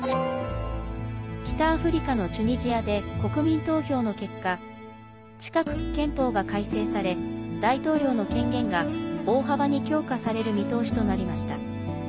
北アフリカのチュニジアで国民投票の結果近く憲法が改正され大統領の権限が大幅に強化される見通しとなりました。